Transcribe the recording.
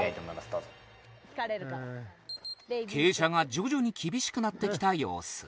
どうぞ傾斜が徐々に厳しくなってきた様子